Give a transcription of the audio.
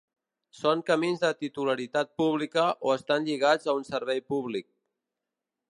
Són camins de titularitat pública o estan lligats a un servei públic.